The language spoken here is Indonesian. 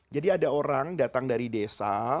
ada orang datang dari desa